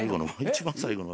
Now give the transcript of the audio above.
一番最後の。